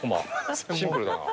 シンプルだな。